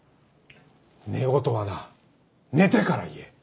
寝言はな寝てから言え。